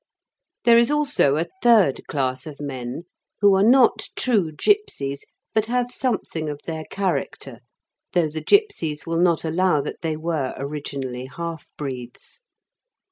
There is also a third class of men who are not true gipsies, but have something of their character, though the gipsies will not allow that they were originally half breeds.